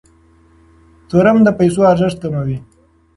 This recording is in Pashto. تورم د پیسو ارزښت کموي.